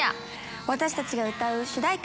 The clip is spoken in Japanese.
ワタシたちが歌う主題歌